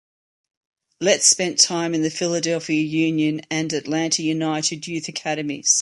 Letts spent time in the Philadelphia Union and Atlanta United youth academies.